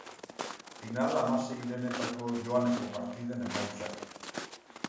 Final-hamaseirenetako joaneko partiden emaitzak.